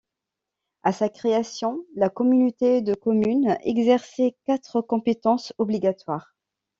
À sa création, la communauté de communes exerçait quatre compétences obligatoires.